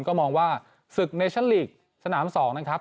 ก็มองว่าศึกเนชั่นลีกสนาม๒นะครับ